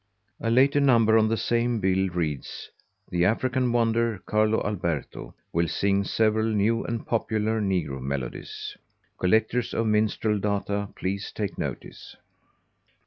A later number on the same bill reads: "The African Wonder, Carlo Alberto, will sing several new and popular Negro melodies." Collectors of minstrel data please take notice!